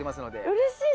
うれしい。